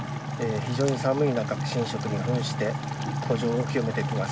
非常に寒い中、神職に扮して湖上を清めていきます。